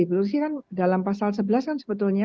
korupsi kan dalam pasal sebelas kan sebetulnya